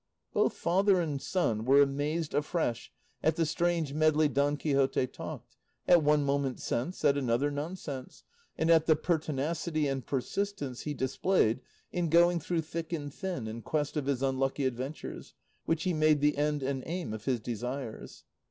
Both father and son were amazed afresh at the strange medley Don Quixote talked, at one moment sense, at another nonsense, and at the pertinacity and persistence he displayed in going through thick and thin in quest of his unlucky adventures, which he made the end and aim of his desires.